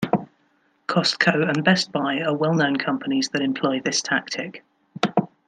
Costco and Best Buy are well-known companies that employ this tactic.